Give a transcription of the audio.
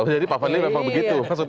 jadi pak fadli memang begitu maksudnya